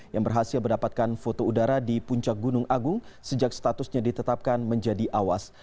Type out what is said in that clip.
yang berhasil mendapatkan foto udara di puncak gunung agung sejak statusnya ditetapkan menjadi awas